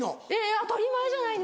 当たり前じゃないですか！